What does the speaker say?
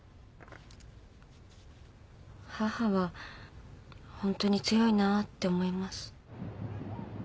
母はホントに強いなあって思います。